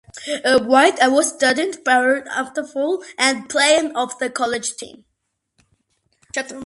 White was a student at Brown University, and played for the college's team.